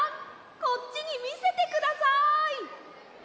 こっちにみせてください！